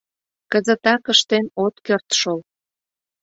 — Кызытак ыштен от керт шол.